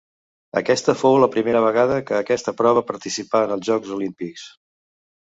Aquesta fou la primera vegada que aquesta prova participà en els Jocs Olímpics.